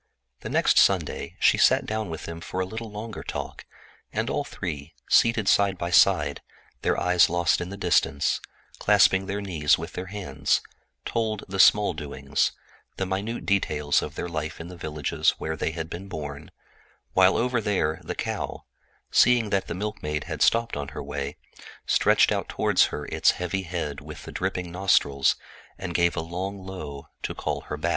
The next Sunday she sat down with them for a little longer talk; and all three, seated side by side, their eyes lost in the distance, clasping their knees with their hands, told the small doings, the minute details of life in the villages where they had been born, while over there the cow, seeing that the milkmaid had stopped on her way, stretched out toward her its heavy head with its dripping nostrils, and gave a long low to call her.